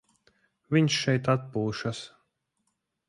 Viņš šeit atpūšas.